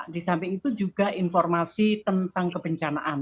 di samping itu juga informasi tentang kebencanaan